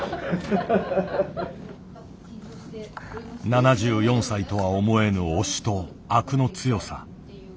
７４歳とは思えぬ押しとアクの強さ。